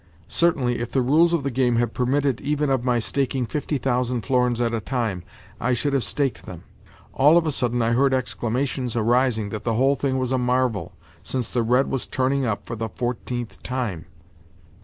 Certainly, if the rules of the game had permitted even of my staking fifty thousand florins at a time, I should have staked them. All of a sudden I heard exclamations arising that the whole thing was a marvel, since the red was turning up for the fourteenth time!